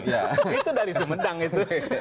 itu dari sumedang itu